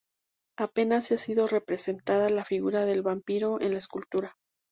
Apenas ha sido representada la figura del vampiro en la escultura.